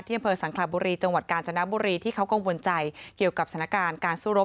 อำเภอสังคลาบุรีจังหวัดกาญจนบุรีที่เขากังวลใจเกี่ยวกับสถานการณ์การสู้รบ